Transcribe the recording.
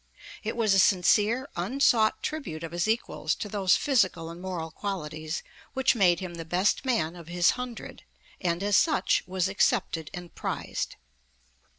It was a sincere, unsought tribute of his equals to those physical and moral qualities which made him the best man of his hundred, and as such was accepted and prized.